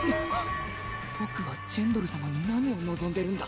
僕はジェンドル様に何を望んでるんだ？